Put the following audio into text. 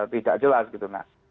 tidak jelas gitu mas